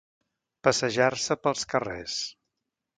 Passejar-se pels carrers.